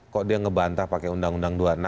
kok dia ngebantah pakai undang undang dua puluh enam